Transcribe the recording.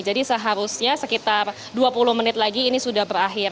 jadi seharusnya sekitar dua puluh menit lagi ini sudah berakhir